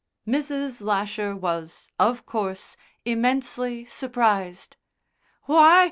Mrs. Lasher was, of course, immensely surprised. "Why!